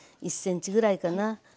１ｃｍぐらいかな。